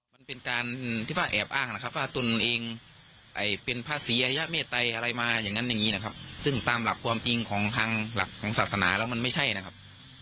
มันเป็นการที่ว่าแอบอ้างนะครับว่าตนเองเป็นพระศรีอริยเมตรัยอะไรมาอย่างนั้นอย่างนี้นะครับซึ่งตามหลักความจริงของทางหลักของศาสนาแล้วมันไม่ใช่นะครับ